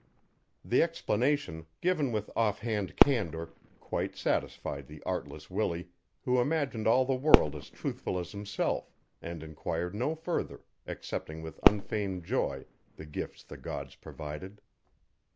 The explanation, given with off hand candor, quite satisfied the artless Willie, who imagined all the world as truthful as himself and inquired no further, accepting with unfeigned joy the gifts the gods provided.